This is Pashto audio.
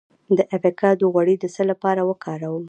د ایوکاډو غوړي د څه لپاره وکاروم؟